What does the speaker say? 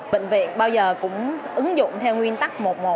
bệnh viện bao giờ cũng ứng dụng theo nguyên tắc một một